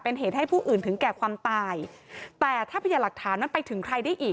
เป็นเหตุให้ผู้อื่นถึงแก่ความตายแต่ถ้าพยาหลักฐานนั้นไปถึงใครได้อีก